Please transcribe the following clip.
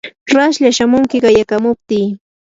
raslla shamunki qayakamuptii.